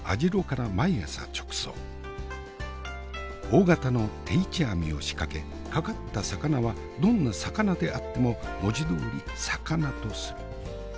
大型の定置網を仕掛け掛かった魚はどんな魚であっても文字どおり肴とする。